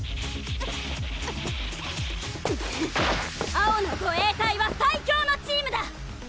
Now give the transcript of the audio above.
青の護衛隊は最強のチームだ！